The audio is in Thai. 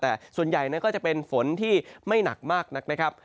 แต่ส่วนใหญ่นั้นก็จะเป็นฝนที่ไม่หนักมากนักนะครับ